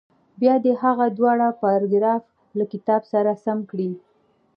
بیا دې هغه دواړه پاراګراف له کتاب سره سم کړي.